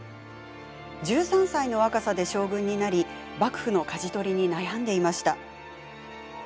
１３歳の若さで将軍になり幕府のかじ取りに悩んでいました。